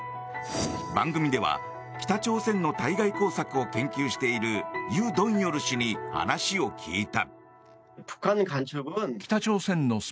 番組では北朝鮮の対外工作を研究しているユ・ドンヨル氏に話を聞いた。